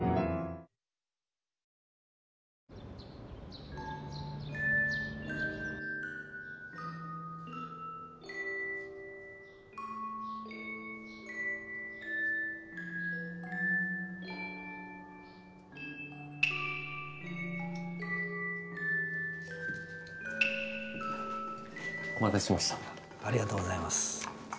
ありがとうございます。